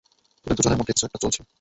তোদের দুজনের মধ্যে কিছু একটা চলছে!